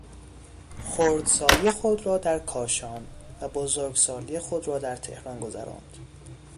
خردسالی خود را در کاشان و بزرگسالی خود را در تهران گذراند.